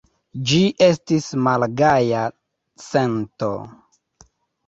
Ĝi estis malgaja sento.